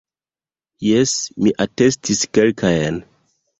Jes, mi atestis kelkajn.